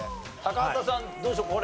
高畑さんどうでしょう？